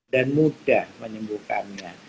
dan mudah menyembuhkannya